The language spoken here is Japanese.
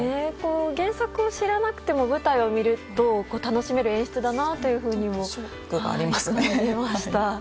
原作を知らなくても舞台を見ると楽しめる演出だなというふうにも思いました。